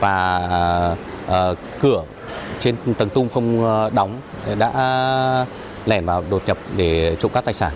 và cửa trên tầng tung không đóng đã lẻn vào đột nhập để trộm các tài sản